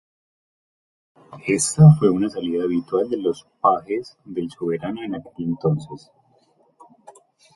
Ésta fue una salida habitual de los pajes del soberano en aquel entonces.